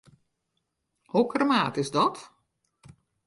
Hokker maat is dat?